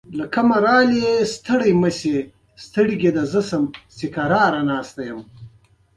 د غلو دانو بازار موندنه مهمه ده.